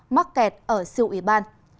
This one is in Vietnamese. mắc kẹt ở siêu ủy ban